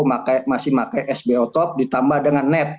persikabo masih pakai sbo talk ditambah dengan net